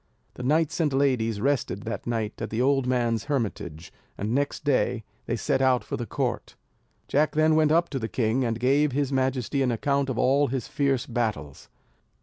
The knights and ladies rested that night at the old man's hermitage, and next day they set out for the court. Jack then went up to the king, and gave his majesty an account of all his fierce battles.